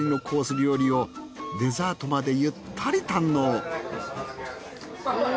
料理をデザートまでゆったり堪能